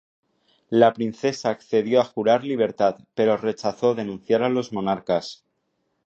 La princesa accedió a jurar libertad pero rechazó denunciar a los monarcas.